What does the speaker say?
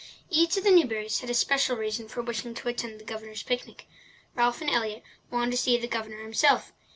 Each of the Newburys had a special reason for wishing to attend the Governor's picnic. Ralph and Elliott wanted to see the Governor himself.